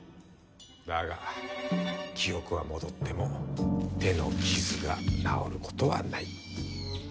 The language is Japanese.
だが記憶は戻っても手の傷が治ることはない。